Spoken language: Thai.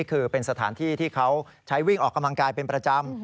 คือเป็นสถานที่ที่เขาใช้วิ่งออกกำลังกายเป็นประจำ